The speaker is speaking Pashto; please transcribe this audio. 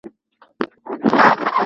مېلمه ته د کور ور خلاص پرېږده.